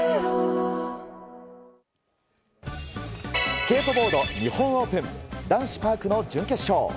スケートボード日本オープン男子パークの準決勝。